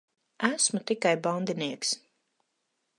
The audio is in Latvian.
Esmu tikai bandinieks.